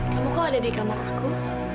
kamu kok ada di kamar aku